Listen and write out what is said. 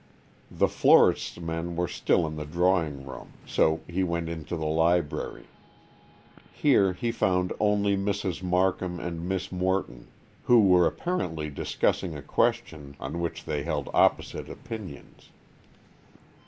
The florist's men were still in the drawing room, so he went into the library. Here he found only Mrs. Markham and Miss Morton, who were apparently discussing a question on which they held opposite opinions.